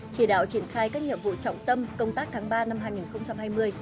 chỉ đạo triển khai các nhiệm vụ trọng tâm công tác tháng ba năm hai nghìn hai mươi